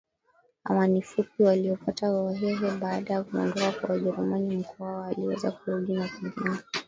Amani fupi walioipata wahehe Baada ya kuondoka kwa Wajerumani Mkwawa aliweza kurudi na kujenga